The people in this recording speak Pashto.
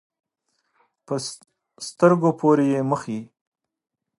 په سترګو پورې یې مښي.